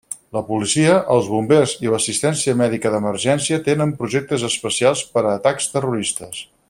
La policia, els bombers i l'assistència mèdica d'emergència tenen projectes especials per a atacs terroristes.